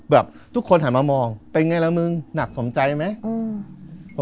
ทุกคนหันมามองเป็นไงล่ะมึงหนักสมใจไหม